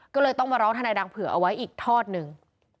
ก็เลยต้องมาร้องทนายดังเผื่อเอาไว้อีกทอดหนึ่ง